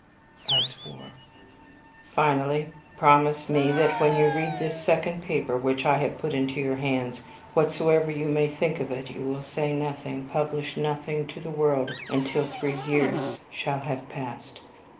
I swore. "Finally, promise me that, when you read this second paper which I have put into your hands, whatsoever you may think of it, you will say nothing publish nothing to the world until three years shall have passed."